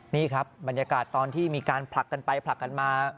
นี่ครับบรรยากาศตอนที่มีการผลักกันไปผลักกันมา